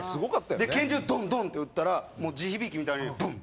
で拳銃ドンドンって撃ったら地響きみたいにブン！